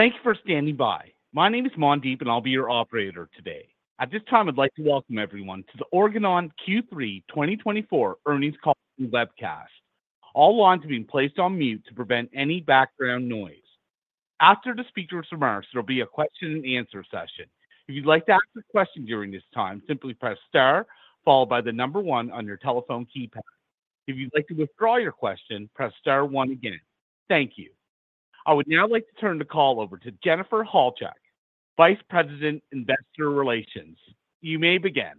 Thank you for standing by. My name is Mandeep, and I'll be your operator today. At this time, I'd like to welcome everyone to the Organon Q3 2024 earnings call from Webcast. All lines are being placed on mute to prevent any background noise. After the speakers' remarks, there'll be a question-and-answer session. If you'd like to ask a question during this time, simply press star followed by the number one on your telephone keypad. If you'd like to withdraw your question, press star one again. Thank you. I would now like to turn the call over to Jennifer Halchak, Vice President, Investor Relations. You may begin.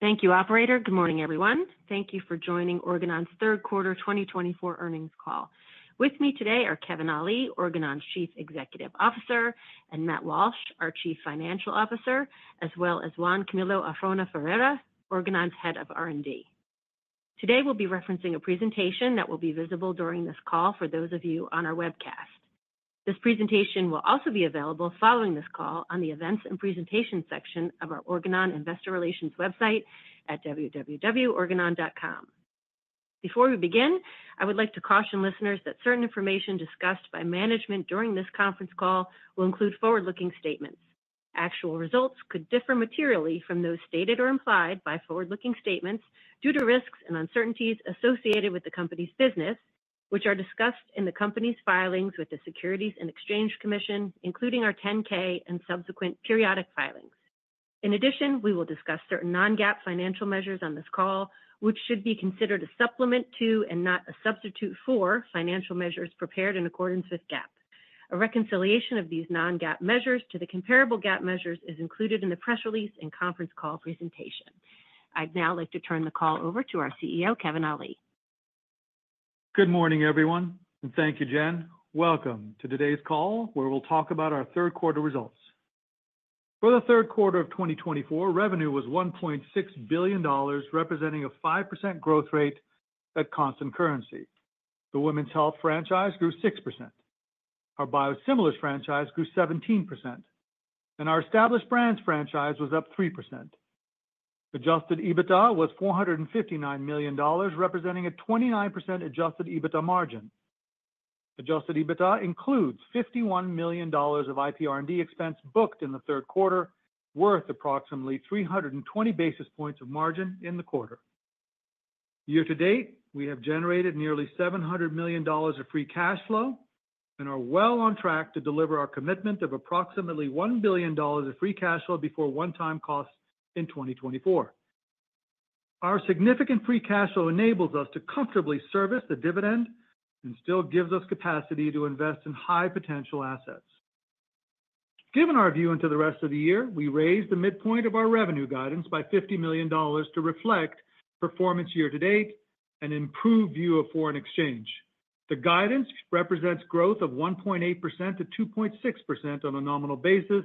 Thank you, Operator. Good morning, everyone. Thank you for joining Organon's third quarter 2024 earnings call. With me today are Kevin Ali, Organon's Chief Executive Officer, and Matt Walsh, our Chief Financial Officer, as well as Juan Camilo Arjona Ferreira, Organon's Head of R&D. Today, we'll be referencing a presentation that will be visible during this call for those of you on our webcast. This presentation will also be available following this call on the events and presentation section of our Organon Investor Relations website at www.organon.com. Before we begin, I would like to caution listeners that certain information discussed by management during this conference call will include forward-looking statements. Actual results could differ materially from those stated or implied by forward-looking statements due to risks and uncertainties associated with the company's business, which are discussed in the company's filings with the Securities and Exchange Commission, including our 10-K and subsequent periodic filings. In addition, we will discuss certain non-GAAP financial measures on this call, which should be considered a supplement to and not a substitute for financial measures prepared in accordance with GAAP. A reconciliation of these non-GAAP measures to the comparable GAAP measures is included in the press release and conference call presentation. I'd now like to turn the call over to our CEO, Kevin Ali. Good morning, everyone, and thank you, Jen. Welcome to today's call, where we'll talk about our third quarter results. For the third quarter of 2024, revenue was $1.6 billion, representing a 5% growth rate at constant currency. The women's health franchise grew 6%. Our biosimilars franchise grew 17%, and our established brands franchise was up 3%. Adjusted EBITDA was $459 million, representing a 29% adjusted EBITDA margin. Adjusted EBITDA includes $51 million of IP R&D expense booked in the third quarter, worth approximately 320 basis points of margin in the quarter. Year to date, we have generated nearly $700 million of free cash flow and are well on track to deliver our commitment of approximately $1 billion of free cash flow before one-time costs in 2024. Our significant free cash flow enables us to comfortably service the dividend and still gives us capacity to invest in high-potential assets. Given our view into the rest of the year, we raised the midpoint of our revenue guidance by $50 million to reflect performance year to date and improved view of foreign exchange. The guidance represents growth of 1.8%-2.6% on a nominal basis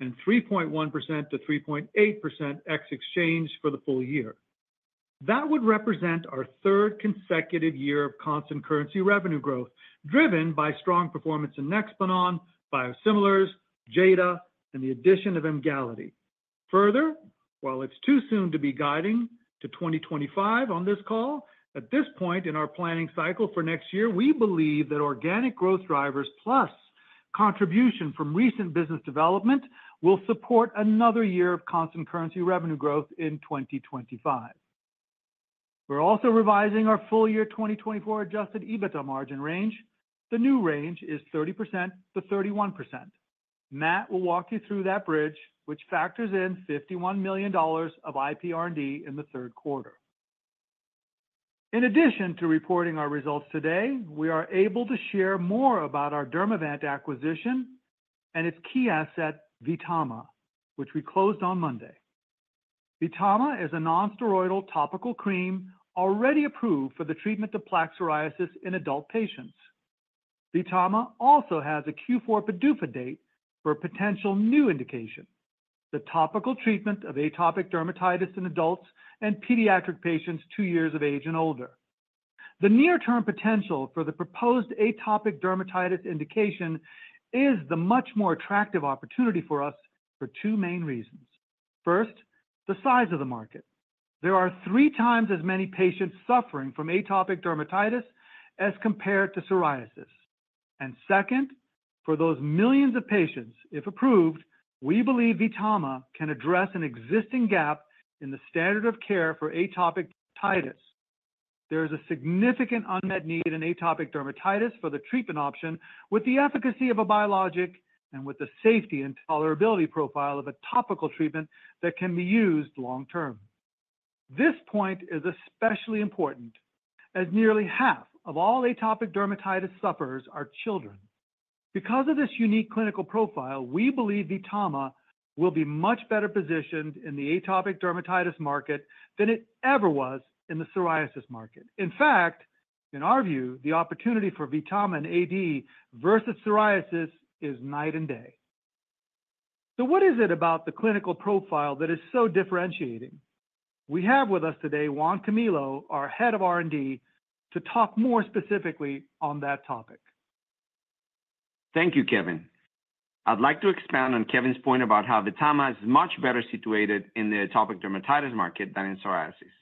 and 3.1%-3.8% ex-exchange for the full year. That would represent our third consecutive year of constant currency revenue growth, driven by strong performance in NEXPLANON, biosimilars, JADA, and the addition of EMGALITY. Further, while it's too soon to be guiding to 2025 on this call, at this point in our planning cycle for next year, we believe that organic growth drivers plus contribution from recent business development will support another year of constant currency revenue growth in 2025. We're also revising our full year 2024 adjusted EBITDA margin range. The new range is 30%-31%. Matt will walk you through that bridge, which factors in $51 million of IP R&D in the third quarter. In addition to reporting our results today, we are able to share more about our Dermavant acquisition and its key asset, VTAMA, which we closed on Monday. VTAMA is a nonsteroidal topical cream already approved for the treatment of plaque psoriasis in adult patients. VTAMA also has a Q4 PDUFA date for a potential new indication: the topical treatment of atopic dermatitis in adults and pediatric patients two years of age and older. The near-term potential for the proposed atopic dermatitis indication is the much more attractive opportunity for us for two main reasons. First, the size of the market. There are three times as many patients suffering from atopic dermatitis as compared to psoriasis. And second, for those millions of patients, if approved, we believe VTAMA can address an existing gap in the standard of care for atopic dermatitis. There is a significant unmet need in atopic dermatitis for the treatment option with the efficacy of a biologic and with the safety and tolerability profile of a topical treatment that can be used long-term. This point is especially important as nearly half of all atopic dermatitis sufferers are children. Because of this unique clinical profile, we believe VTAMA will be much better positioned in the atopic dermatitis market than it ever was in the psoriasis market. In fact, in our view, the opportunity for VTAMA in AD versus psoriasis is night and day. So what is it about the clinical profile that is so differentiating? We have with us today Juan Camilo, our Head of R&D, to talk more specifically on that topic. Thank you, Kevin. I'd like to expand on Kevin's point about how VTAMA is much better situated in the atopic dermatitis market than in psoriasis.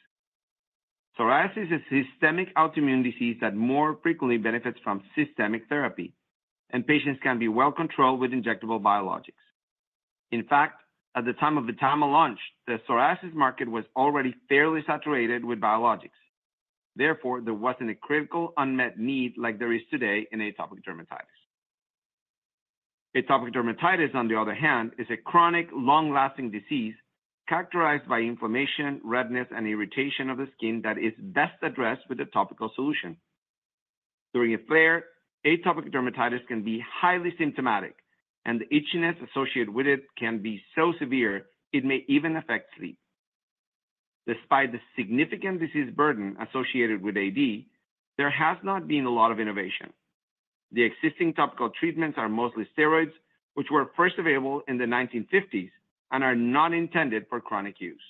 Psoriasis is a systemic autoimmune disease that more frequently benefits from systemic therapy, and patients can be well controlled with injectable biologics. In fact, at the time of VTAMA launch, the psoriasis market was already fairly saturated with biologics. Therefore, there wasn't a critical unmet need like there is today in atopic dermatitis. Atopic dermatitis, on the other hand, is a chronic, long-lasting disease characterized by inflammation, redness, and irritation of the skin that is best addressed with a topical solution. During a flare, atopic dermatitis can be highly symptomatic, and the itchiness associated with it can be so severe it may even affect sleep. Despite the significant disease burden associated with AD, there has not been a lot of innovation. The existing topical treatments are mostly steroids, which were first available in the 1950s and are not intended for chronic use.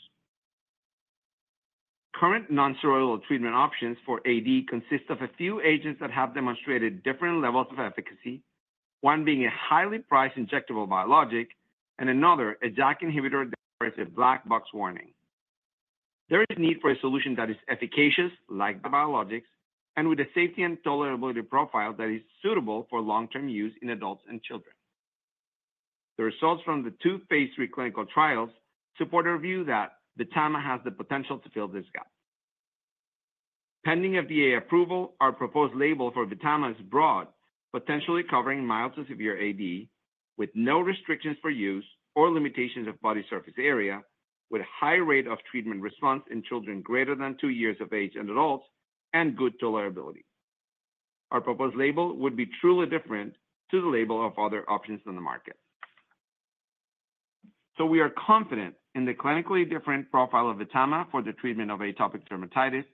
Current nonsteroidal treatment options for AD consist of a few agents that have demonstrated different levels of efficacy, one being a highly priced injectable biologic and another, a JAK inhibitor that is a black box warning. There is a need for a solution that is efficacious, like the biologics, and with a safety and tolerability profile that is suitable for long-term use in adults and children. The results from the two phase III clinical trials support our view that VTAMA has the potential to fill this gap. Pending FDA approval, our proposed label for VTAMA is broad, potentially covering mild to severe AD with no restrictions for use or limitations of body surface area, with a high rate of treatment response in children greater than two years of age and adults, and good tolerability. Our proposed label would be truly different from the label of other options in the market, so we are confident in the clinically different profile of VTAMA for the treatment of atopic dermatitis,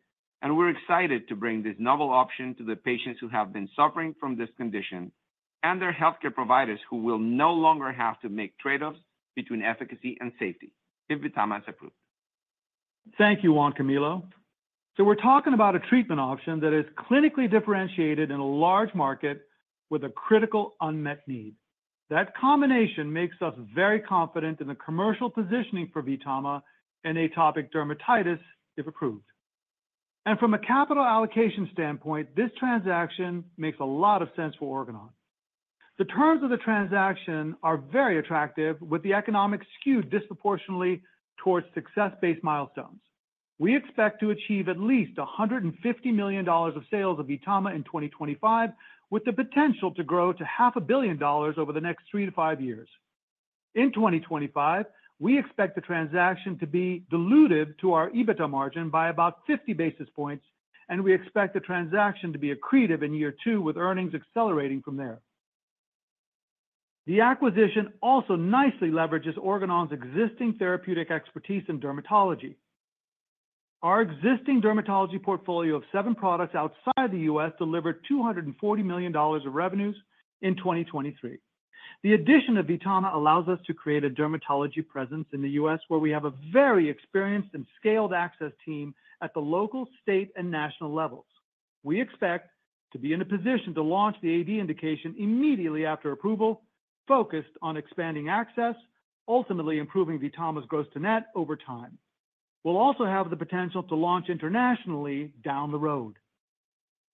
and we're excited to bring this novel option to the patients who have been suffering from this condition and their healthcare providers who will no longer have to make trade-offs between efficacy and safety if VTAMA is approved. Thank you, Juan Camilo. So we're talking about a treatment option that is clinically differentiated in a large market with a critical unmet need. That combination makes us very confident in the commercial positioning for VTAMA in atopic dermatitis if approved. And from a capital allocation standpoint, this transaction makes a lot of sense for Organon. The terms of the transaction are very attractive, with the economics skewed disproportionately towards success-based milestones. We expect to achieve at least $150 million of sales of VTAMA in 2025, with the potential to grow to $500,000,000 over the next three to five years. In 2025, we expect the transaction to be diluted to our EBITDA margin by about 50 basis points, and we expect the transaction to be accretive in year two with earnings accelerating from there. The acquisition also nicely leverages Organon's existing therapeutic expertise in dermatology. Our existing dermatology portfolio of seven products outside the U.S. delivered $240 million of revenues in 2023. The addition of VTAMA allows us to create a dermatology presence in the U.S. where we have a very experienced and scaled access team at the local, state, and national levels. We expect to be in a position to launch the AD indication immediately after approval, focused on expanding access, ultimately improving VTAMA's gross to net over time. We'll also have the potential to launch internationally down the road.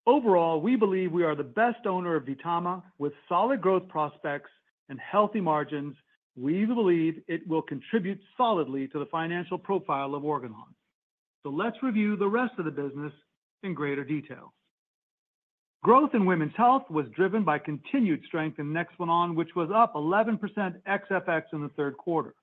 Overall, we believe we are the best owner of VTAMA with solid growth prospects and healthy margins. We believe it will contribute solidly to the financial profile of Organon. So let's review the rest of the business in greater detail. Growth in women's health was driven by continued strength in NEXPLANON, which was up 11% ex-FX in the third quarter.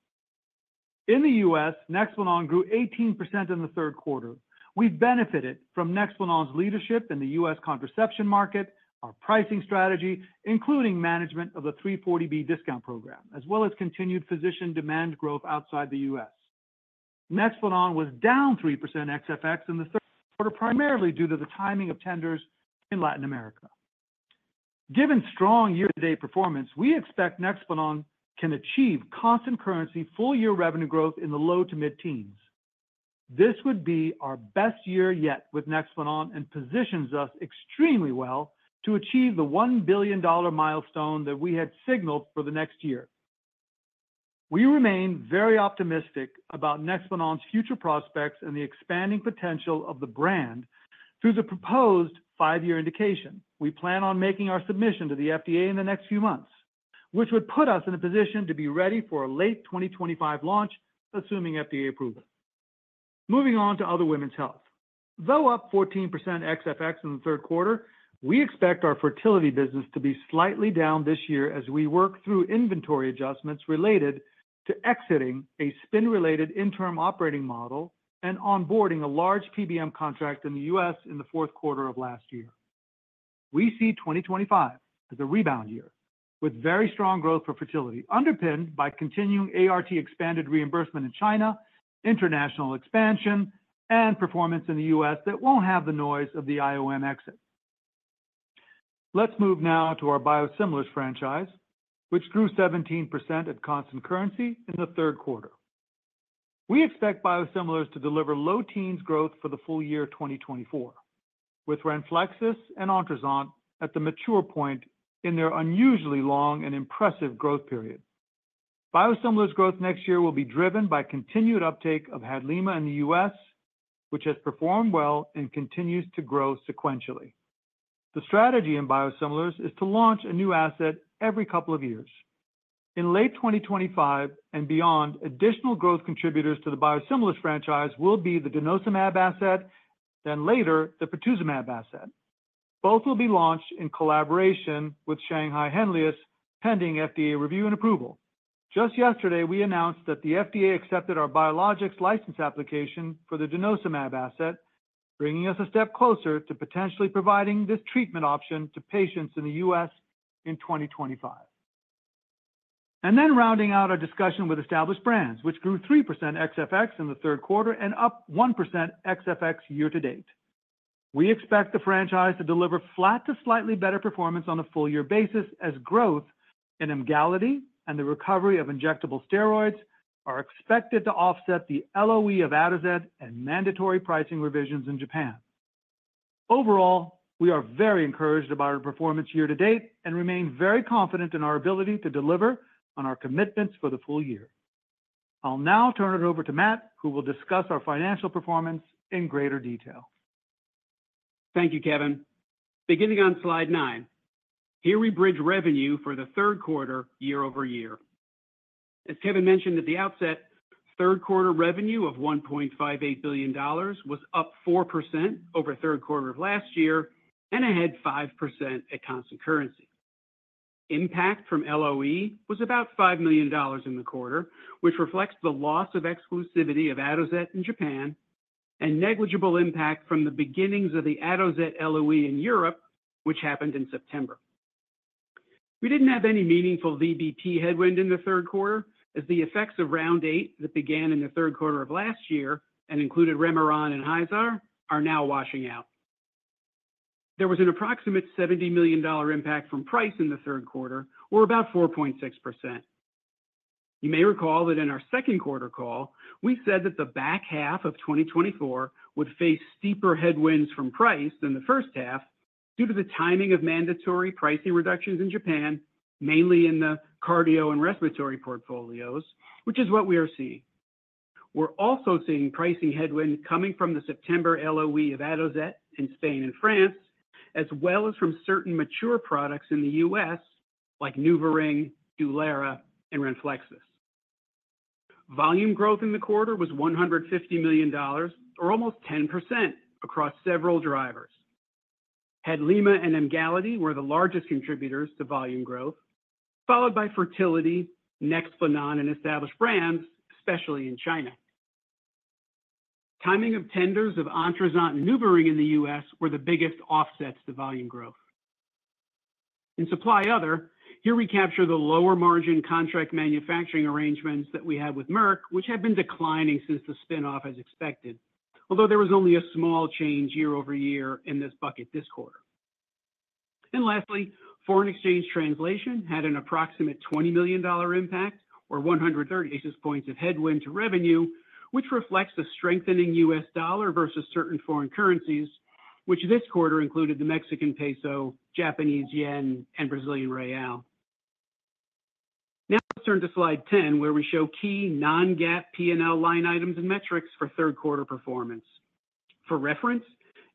In the U.S., NEXPLANON grew 18% in the third quarter. We've benefited from NEXPLANON's leadership in the U.S. contraception market, our pricing strategy, including management of the 340B discount program, as well as continued physician demand growth outside the U.S. NEXPLANON was down 3% ex-FX in the third quarter primarily due to the timing of tenders in Latin America. Given strong year-to-date performance, we expect NEXPLANON can achieve constant currency full-year revenue growth in the low to mid-teens. This would be our best year yet with NEXPLANON and positions us extremely well to achieve the $1 billion milestone that we had signaled for the next year. We remain very optimistic about NEXPLANON's future prospects and the expanding potential of the brand through the proposed five-year indication. We plan on making our submission to the FDA in the next few months, which would put us in a position to be ready for a late 2025 launch, assuming FDA approval. Moving on to other women's health. Though up 14% ex-FX in the third quarter, we expect our fertility business to be slightly down this year as we work through inventory adjustments related to exiting a spin-related interim operating model and onboarding a large PBM contract in the U.S. in the fourth quarter of last year. We see 2025 as a rebound year with very strong growth for fertility, underpinned by continuing ART expanded reimbursement in China, international expansion, and performance in the U.S. that won't have the noise of the IOM exit. Let's move now to our biosimilars franchise, which grew 17% at constant currency in the third quarter. We expect biosimilars to deliver low teens growth for the full year 2024, with RENFLEXIS and ONTRUZANT at the mature point in their unusually long and impressive growth period. Biosimilars growth next year will be driven by continued uptake of HADLIMA in the U.S., which has performed well and continues to grow sequentially. The strategy in biosimilars is to launch a new asset every couple of years. In late 2025 and beyond, additional growth contributors to the biosimilars franchise will be the denosumab asset, then later the pertuzumab asset. Both will be launched in collaboration with Shanghai Henlius, pending FDA review and approval. Just yesterday, we announced that the FDA accepted our biologics license application for the denosumab asset, bringing us a step closer to potentially providing this treatment option to patients in the U.S. in 2025. And then rounding out our discussion with established brands, which grew 3% ex-FX in the third quarter and up 1% ex-FX year to date. We expect the franchise to deliver flat to slightly better performance on a full year basis as growth in EMGALITY and the recovery of injectable steroids are expected to offset the LOE of ATOZET and mandatory pricing revisions in Japan. Overall, we are very encouraged about our performance year to date and remain very confident in our ability to deliver on our commitments for the full year. I'll now turn it over to Matt, who will discuss our financial performance in greater detail. Thank you, Kevin. Beginning on slide nine, here we bridge revenue for the third quarter year-over-year. As Kevin mentioned at the outset, third quarter revenue of $1.58 billion was up 4% over third quarter of last year and ahead 5% at constant currency. Impact from LOE was about $5 million in the quarter, which reflects the loss of exclusivity of ATOZET in Japan and negligible impact from the beginnings of the ATOZET LOE in Europe, which happened in September. We didn't have any meaningful VBP headwind in the third quarter, as the effects of round eight that began in the third quarter of last year and included REMERON and HYZAAR are now washing out. There was an approximate $70 million impact from price in the third quarter, or about 4.6%. You may recall that in our second quarter call, we said that the back half of 2024 would face steeper headwinds from price than the first half due to the timing of mandatory pricing reductions in Japan, mainly in the cardio and respiratory portfolios, which is what we are seeing. We're also seeing pricing headwind coming from the September LOE of ATOZET in Spain and France, as well as from certain mature products in the U.S., like NuvaRing, DULERA, and RENFLEXIS. Volume growth in the quarter was $150 million, or almost 10% across several drivers. HADLIMA and EMGALITY were the largest contributors to volume growth, followed by fertility, NEXPLANON, and established brands, especially in China. Timing of tenders of ONTRUZANT and NuvaRing in the U.S. were the biggest offsets to volume growth. In supply other, here we capture the lower margin contract manufacturing arrangements that we had with Merck, which had been declining since the spinoff, as expected, although there was only a small change year-over-year in this bucket this quarter. And lastly, foreign exchange translation had an approximate $20 million impact, or 130 basis points of headwind to revenue, which reflects the strengthening U.S. dollar versus certain foreign currencies, which this quarter included the Mexican peso, Japanese yen, and Brazilian real. Now let's turn to slide 10, where we show key non-GAAP P&L line items and metrics for third quarter performance. For reference,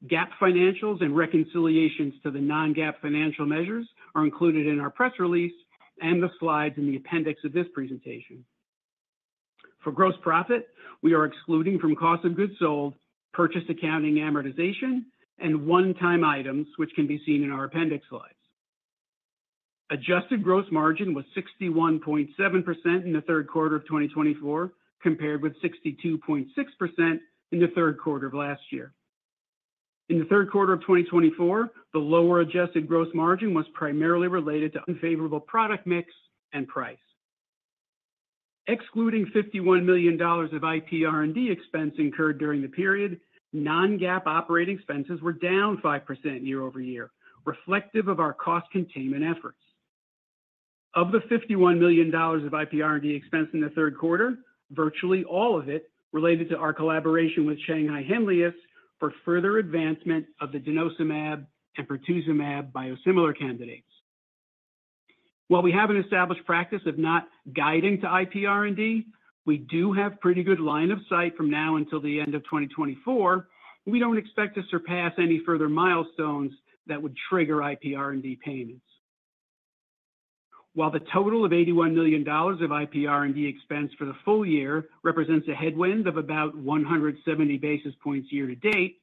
GAAP financials and reconciliations to the non-GAAP financial measures are included in our press release and the slides in the appendix of this presentation. For gross profit, we are excluding from cost of goods sold, purchase accounting amortization, and one-time items, which can be seen in our appendix slides. Adjusted gross margin was 61.7% in the third quarter of 2024, compared with 62.6% in the third quarter of last year. In the third quarter of 2024, the lower adjusted gross margin was primarily related to unfavorable product mix and price. Excluding $51 million of IP R&D expense incurred during the period, non-GAAP operating expenses were down 5% year-over-year, reflective of our cost containment efforts. Of the $51 million of IP R&D expense in the third quarter, virtually all of it related to our collaboration with Shanghai Henlius for further advancement of the denosumab and teprotuzumab biosimilar candidates. While we have an established practice of not guiding to IP R&D, we do have a pretty good line of sight from now until the end of 2024. We don't expect to surpass any further milestones that would trigger IP R&D payments. While the total of $81 million of IP R&D expense for the full year represents a headwind of about 170 basis points year to date,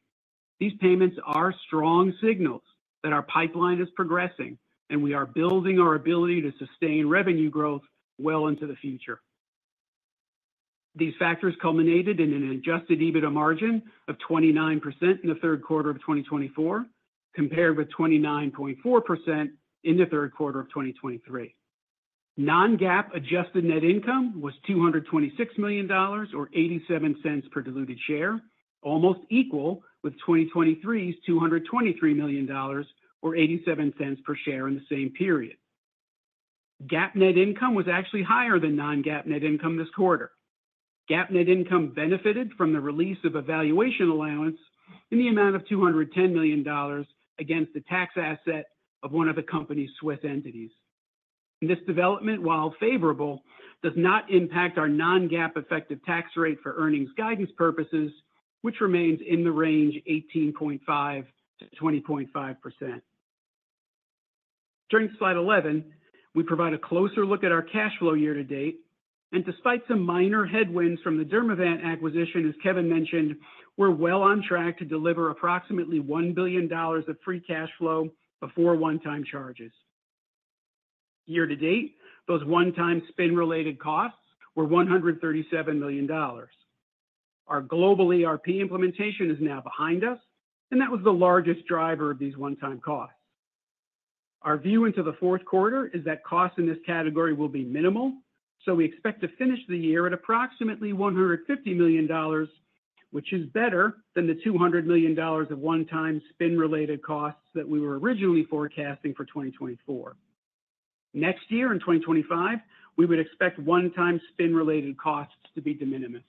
these payments are strong signals that our pipeline is progressing and we are building our ability to sustain revenue growth well into the future. These factors culminated in an adjusted EBITDA margin of 29% in the third quarter of 2024, compared with 29.4% in the third quarter of 2023. Non-GAAP adjusted net income was $226 million, or $0.87 per diluted share, almost equal with 2023's $223 million, or $0.87 per share in the same period. GAAP net income was actually higher than non-GAAP net income this quarter. GAAP net income benefited from the release of a valuation allowance in the amount of $210 million against the tax asset of one of the company's Swiss entities. This development, while favorable, does not impact our non-GAAP effective tax rate for earnings guidance purposes, which remains in the range 18.5%-20.5%. During slide 11, we provide a closer look at our cash flow year to date. Despite some minor headwinds from the Dermavant acquisition, as Kevin mentioned, we're well on track to deliver approximately $1 billion of free cash flow before one-time charges. Year to date, those one-time spin-related costs were $137 million. Our global ERP implementation is now behind us, and that was the largest driver of these one-time costs. Our view into the fourth quarter is that costs in this category will be minimal, so we expect to finish the year at approximately $150 million, which is better than the $200 million of one-time spin-related costs that we were originally forecasting for 2024. Next year in 2025, we would expect one-time spin-related costs to be de minimis.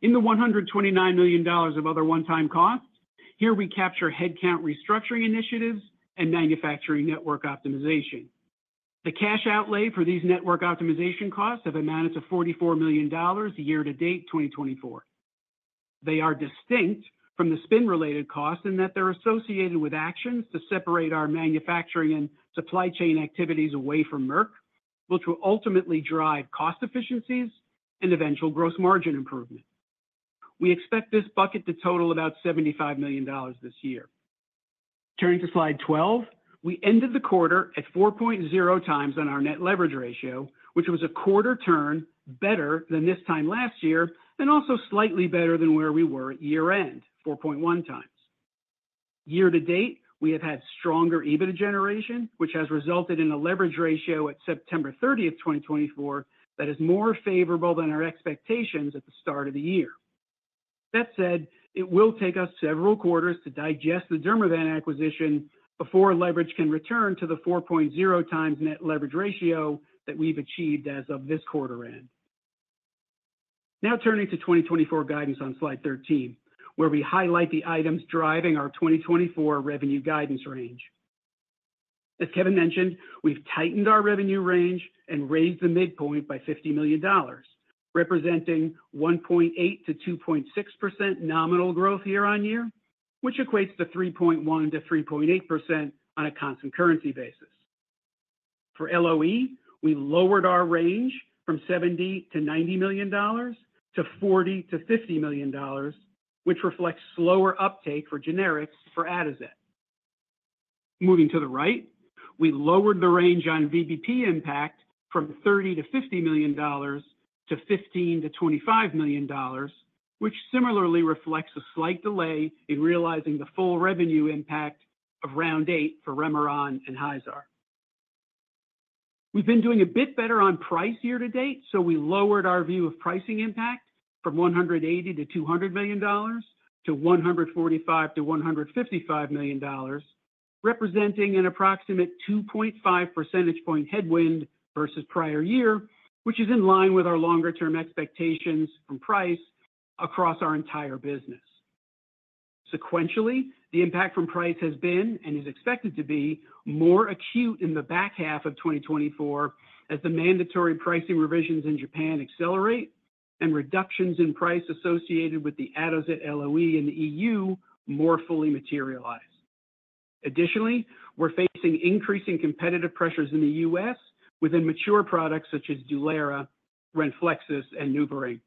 In the $129 million of other one-time costs, here we capture headcount restructuring initiatives and manufacturing network optimization. The cash outlay for these network optimization costs have amounted to $44 million year to date, 2024. They are distinct from the spin-related costs in that they're associated with actions to separate our manufacturing and supply chain activities away from Merck, which will ultimately drive cost efficiencies and eventual gross margin improvement. We expect this bucket to total about $75 million this year. Turning to slide 12, we ended the quarter at 4.0x on our net leverage ratio, which was a quarter turn better than this time last year and also slightly better than where we were at year end, 4.1x. Year to date, we have had stronger EBITDA generation, which has resulted in a leverage ratio at September 30th, 2024, that is more favorable than our expectations at the start of the year. That said, it will take us several quarters to digest the Dermavant acquisition before leverage can return to the 4.0x net leverage ratio that we've achieved as of this quarter end. Now turning to 2024 guidance on slide 13, where we highlight the items driving our 2024 revenue guidance range. As Kevin mentioned, we've tightened our revenue range and raised the midpoint by $50 million, representing 1.8%-2.6% nominal growth year on year, which equates to 3.1%-3.8% on a constant currency basis. For LOE, we lowered our range from $70 million-$90 million to $40 million-$50 million, which reflects slower uptake for generics for ATOZET. Moving to the right, we lowered the range on VBP impact from $30 million-$50 million to $15 million-$25 million, which similarly reflects a slight delay in realizing the full revenue impact of round eight for REMERON and HYZAAR. We've been doing a bit better on price year to date, so we lowered our view of pricing impact from $180 million-$200 million to $145 million-$155 million, representing an approximate 2.5 percentage point headwind versus prior year, which is in line with our longer-term expectations from price across our entire business. Sequentially, the impact from price has been and is expected to be more acute in the back half of 2024 as the mandatory pricing revisions in Japan accelerate and reductions in price associated with the ATOZET LOE in the EU more fully materialize. Additionally, we're facing increasing competitive pressures in the U.S. within mature products such as DULERA, RENFLEXIS, and NuvaRing.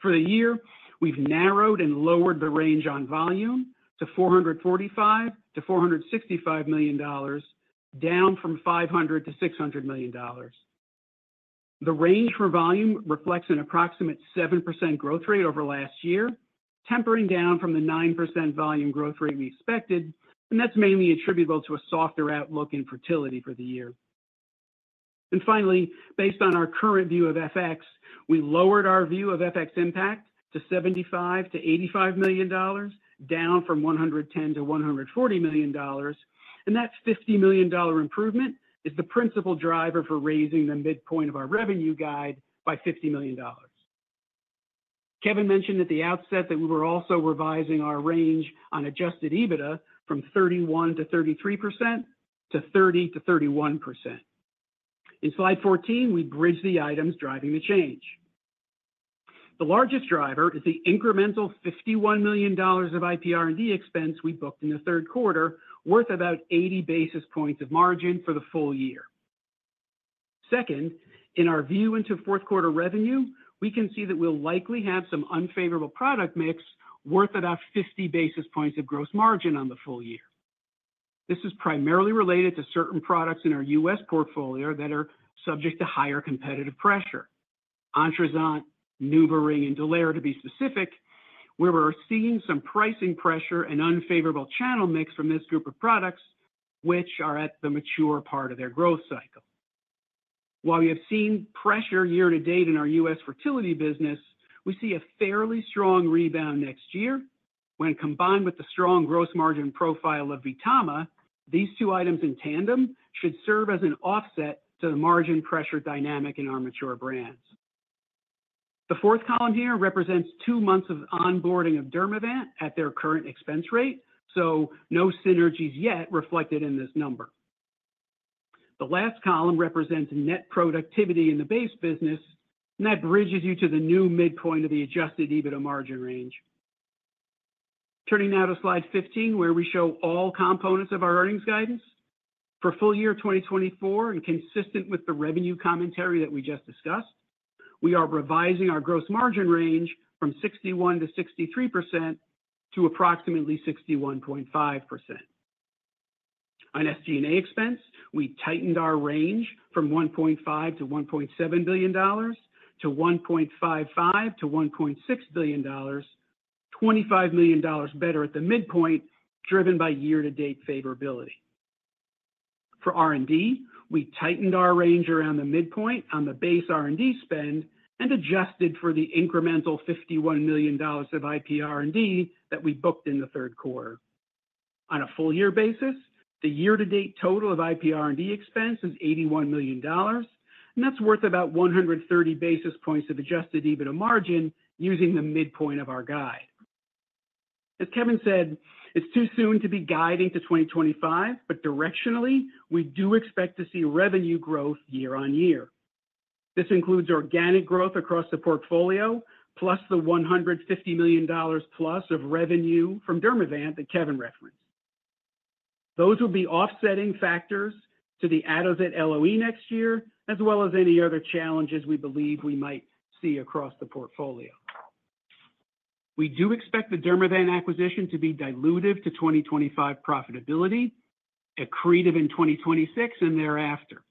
For the year, we've narrowed and lowered the range on volume to $445 million-$465 million, down from $500 million-$600 million. The range for volume reflects an approximate 7% growth rate over last year, tempering down from the 9% volume growth rate we expected, and that's mainly attributable to a softer outlook in fertility for the year. Finally, based on our current view of FX, we lowered our view of FX impact to $75 million-$85 million, down from $110 million-$140 million, and that $50 million improvement is the principal driver for raising the midpoint of our revenue guide by $50 million. Kevin mentioned at the outset that we were also revising our range on adjusted EBITDA from 31%-33% to 30%-31%. In slide 14, we bridge the items driving the change. The largest driver is the incremental $51 million of IP R&D expense we booked in the third quarter, worth about 80 basis points of margin for the full year. Second, in our view into fourth quarter revenue, we can see that we'll likely have some unfavorable product mix worth about 50 basis points of gross margin on the full year. This is primarily related to certain products in our U.S. portfolio that are subject to higher competitive pressure: ONTRUZANT, NuvaRing, and DULERA, to be specific, where we're seeing some pricing pressure and unfavorable channel mix from this group of products, which are at the mature part of their growth cycle. While we have seen pressure year to date in our U.S. fertility business, we see a fairly strong rebound next year. When combined with the strong gross margin profile of VTAMA, these two items in tandem should serve as an offset to the margin pressure dynamic in our mature brands. The fourth column here represents two months of onboarding of Dermavant at their current expense rate, so no synergies yet reflected in this number. The last column represents net productivity in the base business, and that bridges you to the new midpoint of the adjusted EBITDA margin range. Turning now to slide 15, where we show all components of our earnings guidance. For full year 2024, and consistent with the revenue commentary that we just discussed, we are revising our gross margin range from 61%-63% to approximately 61.5%. On SG&A expense, we tightened our range from $1.5 billion-$1.7 billion to $1.55 billion-$1.6 billion, $25 million better at the midpoint, driven by year-to-date favorability. For R&D, we tightened our range around the midpoint on the base R&D spend and adjusted for the incremental $51 million of IP R&D that we booked in the third quarter. On a full year basis, the year-to-date total of IP R&D expense is $81 million, and that's worth about 130 basis points of adjusted EBITDA margin using the midpoint of our guide. As Kevin said, it's too soon to be guiding to 2025, but directionally, we do expect to see revenue growth year on year. This includes organic growth across the portfolio, plus the $150 million plus of revenue from Dermavant that Kevin referenced. Those will be offsetting factors to the ATOZET LOE next year, as well as any other challenges we believe we might see across the portfolio. We do expect the Dermavant acquisition to be dilutive to 2025 profitability, accretive in 2026 and thereafter.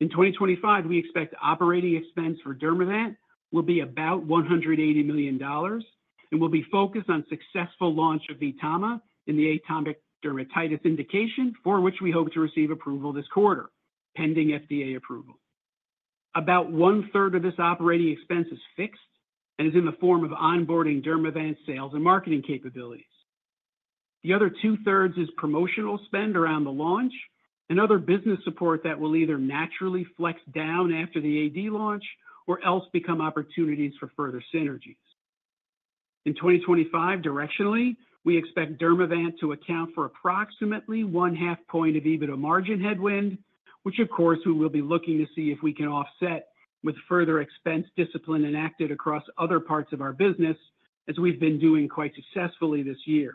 In 2025, we expect operating expense for Dermavant will be about $180 million, and we'll be focused on successful launch of VTAMA in the atopic dermatitis indication, for which we hope to receive approval this quarter, pending FDA approval. About 1/3 of this operating expense is fixed and is in the form of onboarding Dermavant sales and marketing capabilities. The other 2/3 is promotional spend around the launch and other business support that will either naturally flex down after the AD launch or else become opportunities for further synergies. In 2025, directionally, we expect Dermavant to account for approximately one-half point of EBITDA margin headwind, which, of course, we will be looking to see if we can offset with further expense discipline enacted across other parts of our business, as we've been doing quite successfully this year.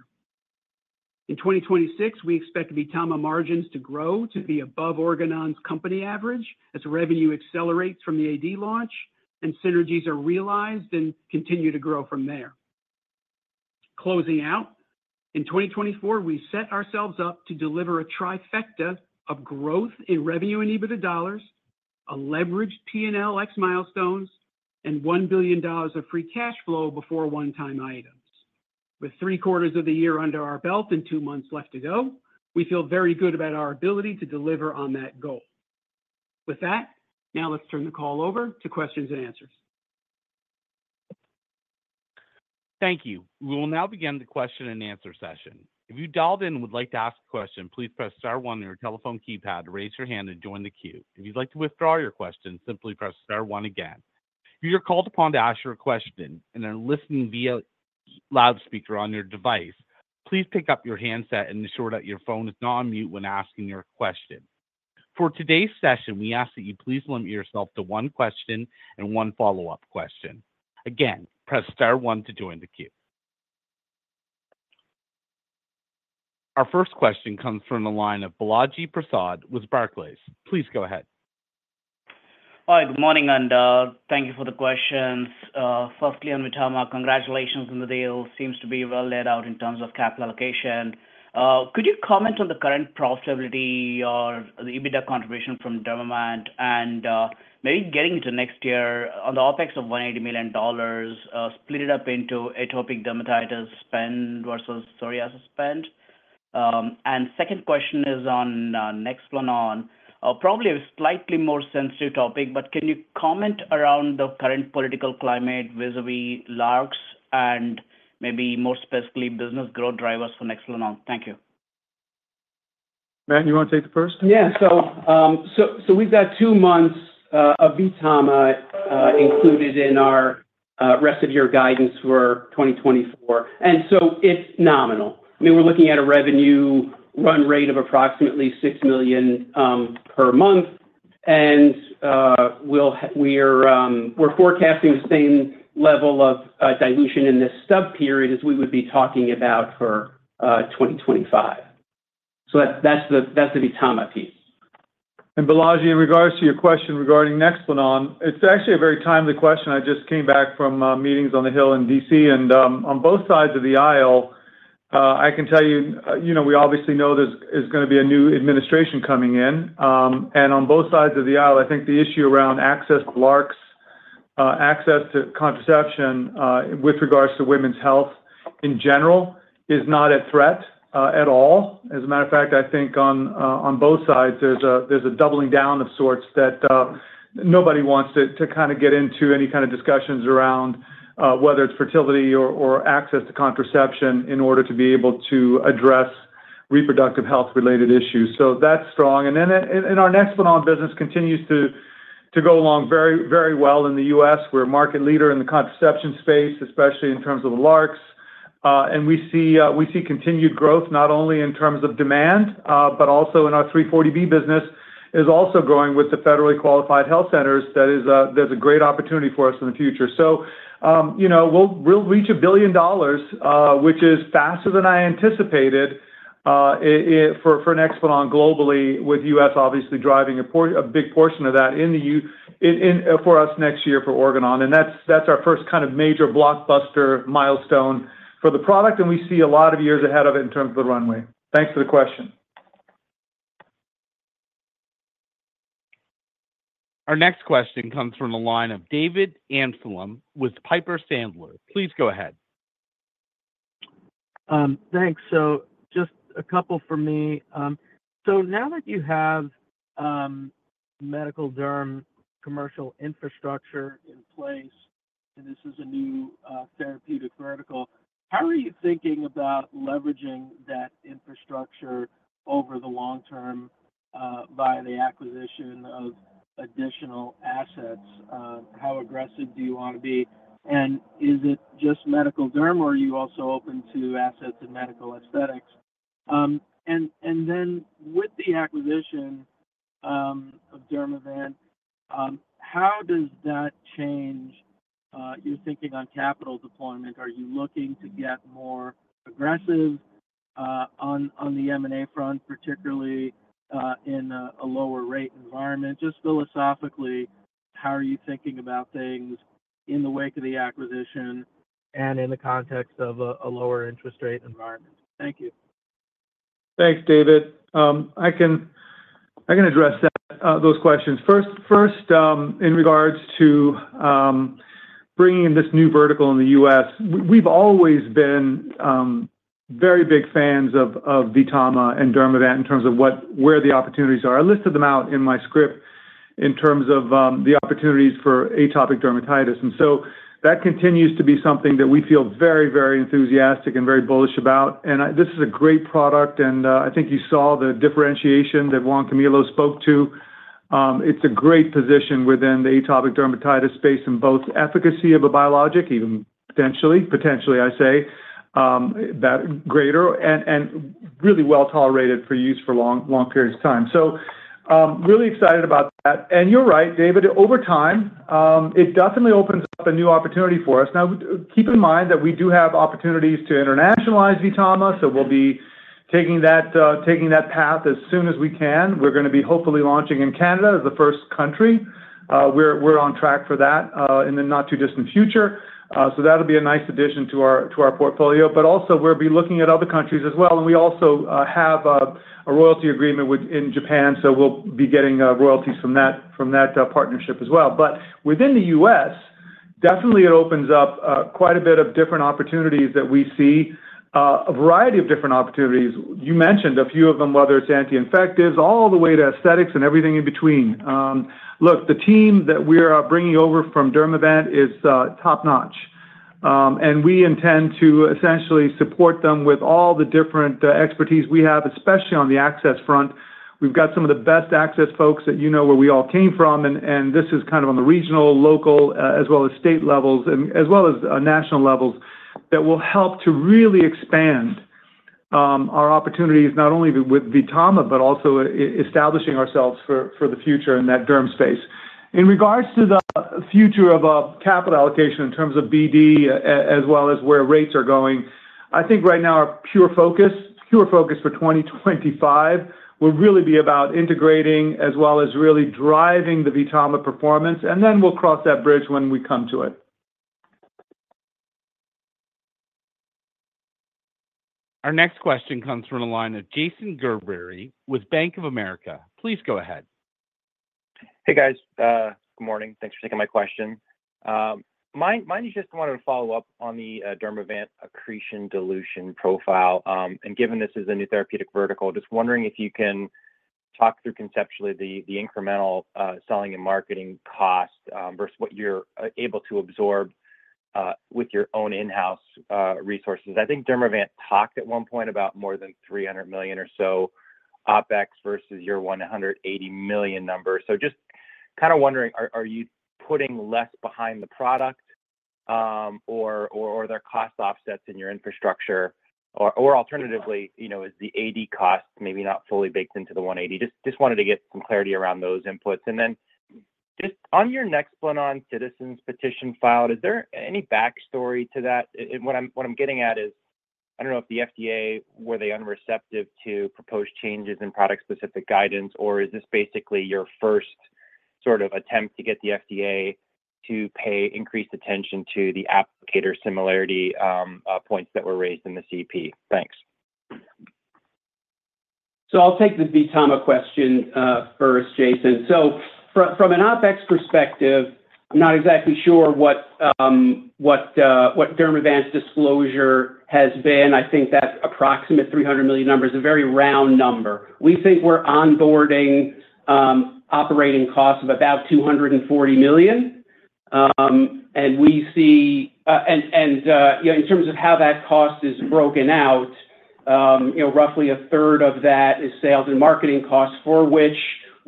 In 2026, we expect VTAMA margins to grow to be above Organon's company average as revenue accelerates from the AD launch and synergies are realized and continue to grow from there. Closing out, in 2024, we set ourselves up to deliver a trifecta of growth in revenue and EBITDA dollars, a leveraged P&L ex milestones, and $1 billion of free cash flow before one-time items. With three quarters of the year under our belt and two months left to go, we feel very good about our ability to deliver on that goal. With that, now let's turn the call over to questions and answers. Thank you. We will now begin the question and answer session. If you dialed in and would like to ask a question, please press star one on your telephone keypad to raise your hand and join the queue. If you'd like to withdraw your question, simply press star one again. If you're called upon to ask your question and are listening via loudspeaker on your device, please pick up your handset and ensure that your phone is not on mute when asking your question. For today's session, we ask that you please limit yourself to one question and one follow-up question. Again, press star one to join the queue. Our first question comes from the line of Balaji Prasad with Barclays. Please go ahead. Hi, good morning, and thank you for the questions. Firstly, on VTAMA, congratulations on the deal. Seems to be well laid out in terms of capital allocation. Could you comment on the current profitability or the EBITDA contribution from Dermavant and maybe getting into next year on the OpEx of $180 million, split it up into atopic dermatitis spend versus psoriasis spend? Second question is on NEXPLANON, probably a slightly more sensitive topic, but can you comment around the current political climate vis-à-vis LARCs and maybe more specifically business growth drivers for NEXPLANON? Thank you. Matt, you want to take the first? Yeah. We've got two months of VTAMA included in our rest of year guidance for 2024. It's nominal. I mean, we're looking at a revenue run rate of approximately $6 million per month, and we're forecasting the same level of dilution in this sub-period as we would be talking about for 2025. That's the VTAMA piece. Balaji, in regards to your question regarding NEXPLANON, it's actually a very timely question. I just came back from meetings on the Hill in D.C., and on both sides of the aisle, I can tell you we obviously know there's going to be a new administration coming in. On both sides of the aisle, I think the issue around access to LARCs, access to contraception with regards to women's health in general is not a threat at all. As a matter of fact, I think on both sides, there's a doubling down of sorts that nobody wants to kind of get into any kind of discussions around whether it's fertility or access to contraception in order to be able to address reproductive health-related issues. That's strong. Our NEXPLANON business continues to go along very well in the U.S. We're a market leader in the contraception space, especially in terms of the LARCs. We see continued growth not only in terms of demand, but also in our 340B business, which is also growing with the federally qualified health centers. That is a great opportunity for us in the future. We'll reach $1 billion, which is faster than I anticipated for NEXPLANON globally, with the U.S. obviously driving a big portion of that for us next year for Organon. And that's our first kind of major blockbuster milestone for the product, and we see a lot of years ahead of it in terms of the runway. Thanks for the question. Our next question comes from the line of David Amsellem with Piper Sandler. Please go ahead. Thanks. So just a couple for me. So now that you have medical derm commercial infrastructure in place, and this is a new therapeutic vertical, how are you thinking about leveraging that infrastructure over the long term via the acquisition of additional assets? How aggressive do you want to be? And is it just medical derm, or are you also open to assets and medical aesthetics? Then with the acquisition of Dermavant, how does that change your thinking on capital deployment? Are you looking to get more aggressive on the M&A front, particularly in a lower-rate environment? Just philosophically, how are you thinking about things in the wake of the acquisition and in the context of a lower interest rate environment? Thank you. Thanks, David. I can address those questions. First, in regards to bringing in this new vertical in the U.S., we've always been very big fans of VTAMA and Dermavant in terms of where the opportunities are. I listed them out in my script in terms of the opportunities for atopic dermatitis. And so that continues to be something that we feel very, very enthusiastic and very bullish about. And this is a great product, and I think you saw the differentiation that Juan Camilo spoke to. It's a great position within the atopic dermatitis space in both efficacy of a biologic, even potentially, I say, greater and really well tolerated for use for long periods of time. Really excited about that. You're right, David. Over time, it definitely opens up a new opportunity for us. Now, keep in mind that we do have opportunities to internationalize VTAMA, so we'll be taking that path as soon as we can. We're going to be hopefully launching in Canada as the first country. We're on track for that in the not-too-distant future. That'll be a nice addition to our portfolio. Also, we'll be looking at other countries as well. We also have a royalty agreement in Japan, so we'll be getting royalties from that partnership as well. Within the U.S., definitely it opens up quite a bit of different opportunities that we see, a variety of different opportunities. You mentioned a few of them, whether it's anti-infectives, all the way to aesthetics and everything in between. Look, the team that we're bringing over from Dermavant is top-notch. And we intend to essentially support them with all the different expertise we have, especially on the access front. We've got some of the best access folks that you know where we all came from, and this is kind of on the regional, local, as well as state levels, as well as national levels that will help to really expand our opportunities, not only with VTAMA, but also establishing ourselves for the future in that derm space. In regards to the future of capital allocation in terms of BD, as well as where rates are going, I think right now our pure focus for 2025 will really be about integrating as well as really driving the VTAMA performance, and then we'll cross that bridge when we come to it. Our next question comes from the line of Jason Gerberry with Bank of America. Please go ahead. Hey, guys. Good morning. Thanks for taking my question. Mine is just wanted to follow up on the Dermavant accretion dilution profile. And given this is a new therapeutic vertical, just wondering if you can talk through conceptually the incremental selling and marketing cost versus what you're able to absorb with your own in-house resources. I think Dermavant talked at one point about more than $300 million or so OpEx versus your $180 million number. So just kind of wondering, are you putting less behind the product or are there cost offsets in your infrastructure? Or alternatively, is the AD cost maybe not fully baked into the 180? Just wanted to get some clarity around those inputs. And then just on your NEXPLANON citizen's petition filed, is there any backstory to that? What I'm getting at is, I don't know if the FDA were unreceptive to proposed changes in product-specific guidance, or is this basically your first sort of attempt to get the FDA to pay increased attention to the applicator similarity points that were raised in the CP? Thanks. So I'll take the VTAMA question first, Jason. So from an OpEx perspective, I'm not exactly sure what Dermavant's disclosure has been. I think that approximate $300 million number is a very round number. We think we're onboarding operating costs of about $240 million. We see in terms of how that cost is broken out, roughly a third of that is sales and marketing costs for which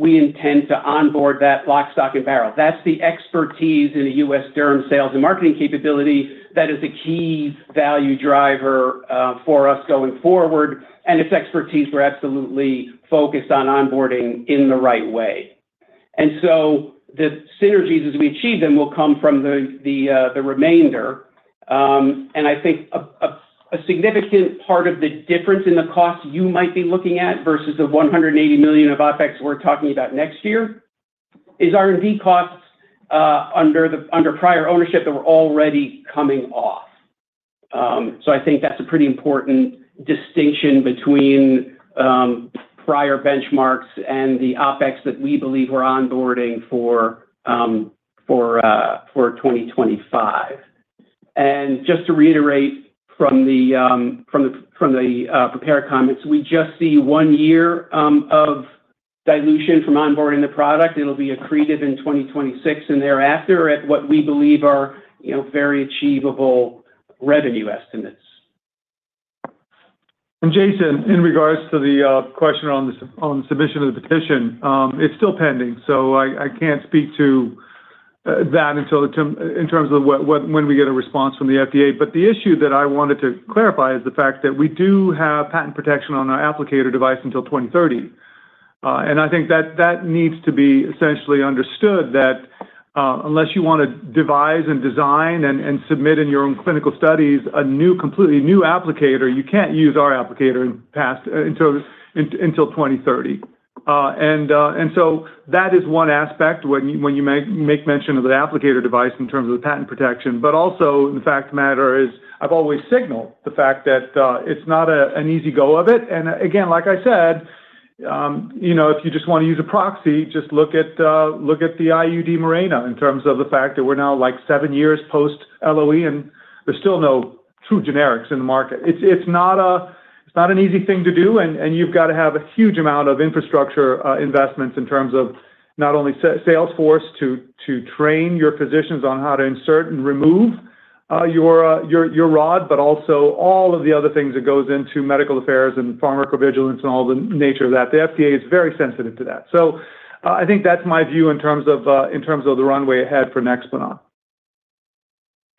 we intend to onboard that lock, stock, and barrel. That's the expertise in the U.S. derm sales and marketing capability that is a key value driver for us going forward. And it's expertise we're absolutely focused on onboarding in the right way. And so the synergies, as we achieve them, will come from the removed. And I think a significant part of the difference in the cost you might be looking at versus the $180 million of OpEx we're talking about next year is R&D costs under prior ownership that were already coming off. So I think that's a pretty important distinction between prior benchmarks and the OpEx that we believe we're onboarding for 2025. And just to reiterate from the prepared comments, we just see one year of dilution from onboarding the product. It'll be accretive in 2026 and thereafter at what we believe are very achievable revenue estimates. And Jason, in regards to the question on submission of the petition, it's still pending. So I can't speak to that in terms of when we get a response from the FDA. But the issue that I wanted to clarify is the fact that we do have patent protection on our applicator device until 2030. And I think that needs to be essentially understood that unless you want to devise and design and submit in your own clinical studies a completely new applicator, you can't use our applicator until 2030. And so that is one aspect when you make mention of the applicator device in terms of the patent protection. But also, the fact of the matter is I've always signaled the fact that it's not an easy go of it. And again, like I said, if you just want to use a proxy, just look at the IUD Mirena in terms of the fact that we're now like seven years post-LOE, and there's still no true generics in the market. It's not an easy thing to do, and you've got to have a huge amount of infrastructure investments in terms of not only sales force to train your physicians on how to insert and remove your rod, but also all of the other things that go into medical affairs and pharmacovigilance and all the nature of that. The FDA is very sensitive to that. So I think that's my view in terms of the runway ahead for NEXPLANON.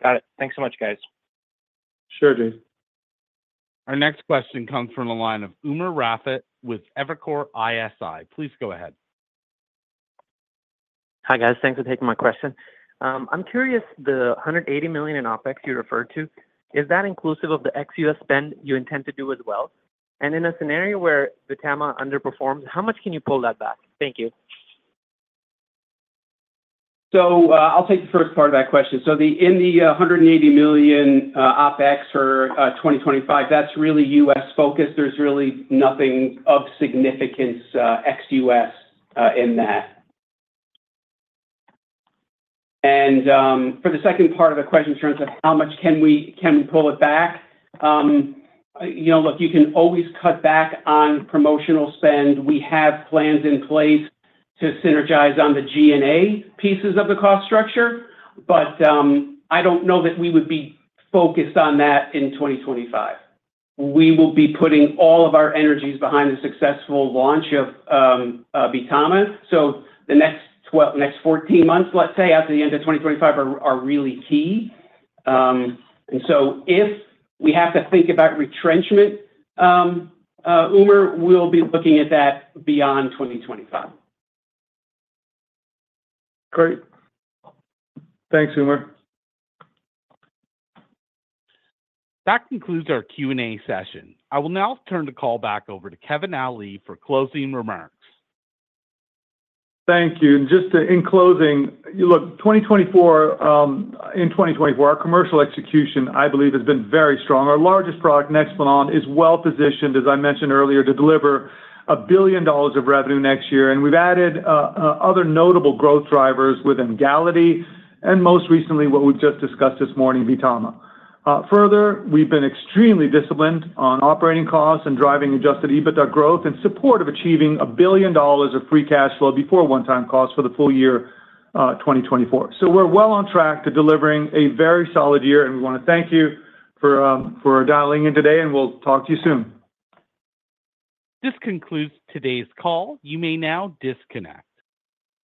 Got it. Thanks so much, guys. Sure, Jason. Our next question comes from the line of Umer Raffat with Evercore ISI. Please go ahead. Hi guys. Thanks for taking my question. I'm curious, the $180 million in OpEx you referred to, is that inclusive of the ex-U.S. spend you intend to do as well? And in a scenario where VTAMA underperforms, how much can you pull that back? Thank you. So I'll take the first part of that question. So in the $180 million OpEx for 2025, that's really U.S. focused. There's really nothing of significance ex-U.S. in that. And for the second part of the question in terms of how much can we pull it back? Look, you can always cut back on promotional spend. We have plans in place to synergize on the G&A pieces of the cost structure, but I don't know that we would be focused on that in 2025. We will be putting all of our energies behind the successful launch of VTAMA, so the next 14 months, let's say, at the end of 2025 are really key, and so if we have to think about retrenchment, Umer, we'll be looking at that beyond 2025. Great. Thanks, Umer. That concludes our Q&A session. I will now turn the call back over to Kevin Ali for closing remarks. Thank you, and just in closing, look, in 2024, our commercial execution, I believe, has been very strong. Our largest product, NEXPLANON, is well positioned, as I mentioned earlier, to deliver $1 billion of revenue next year. And we've added other notable growth drivers within EMGALITY and most recently what we've just discussed this morning, VTAMA. Further, we've been extremely disciplined on operating costs and driving adjusted EBITDA growth in support of achieving $1 billion of free cash flow before one-time costs for the full year 2024. So we're well on track to delivering a very solid year, and we want to thank you for dialing in today, and we'll talk to you soon. This concludes today's call. You may now disconnect.